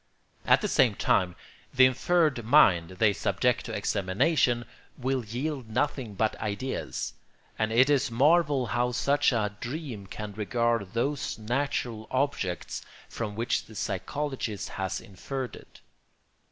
At the same time, the inferred mind they subject to examination will yield nothing but ideas, and it is a marvel how such a dream can regard those natural objects from which the psychologist has inferred it.